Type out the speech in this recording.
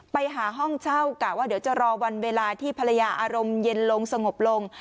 ไปหาห้องเช่ากะว่าเดี๋ยวจะรอวันเวลาที่ภรรยาอารมณ์เย็นลงสงบลง